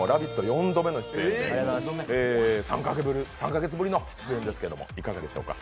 ４度目の出演で３か月ぶりの出演ですけども、いかがですか？